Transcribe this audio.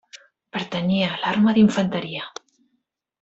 Pertanyia a l'arma d'infanteria.